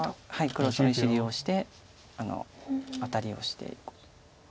黒その石利用してアタリをして。